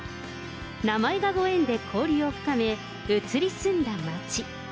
名前がご縁で交流を深め、移り住んだ町。